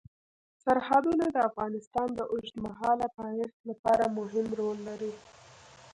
سرحدونه د افغانستان د اوږدمهاله پایښت لپاره مهم رول لري.